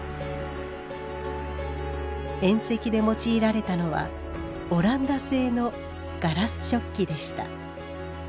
宴席で用いられたのはオランダ製のガラス食器でした。